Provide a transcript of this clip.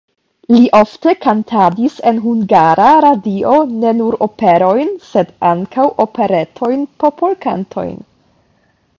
Li ofte kantadis en Hungara Radio ne nur operojn, sed ankaŭ operetojn, popolkantojn.